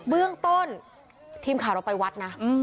เรื่องต้นทีมข่าวเราไปวัดนะ